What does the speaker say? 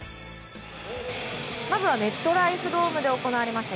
まずは、メットライフドームで行われました